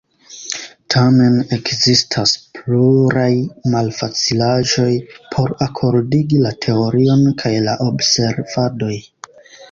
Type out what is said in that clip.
Tamen, ekzistas pluraj malfacilaĵoj por akordigi la teorion kaj la observadoj.